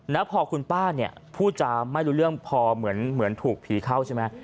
แล้วพอคุณป้าเนี่ยพูดจาไม่รู้เรื่องพอเหมือนถูกผีเข้าใช่ไหม